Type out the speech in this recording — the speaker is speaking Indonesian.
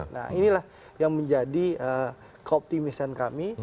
nah inilah yang menjadi keoptimisan kami